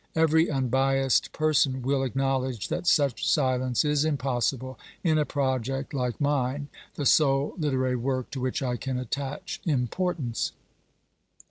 Every unbiassed person will acknowledge that such silence is impossible in a project like mine, the sole literary work to which I can attach importance.